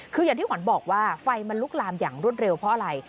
คืออย่างที่ขวัญบอกว่าไฟมันลุกลามอย่างรวดเร็วเพราะอะไร